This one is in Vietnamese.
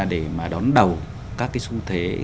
để mà đón đầu các cái xu thế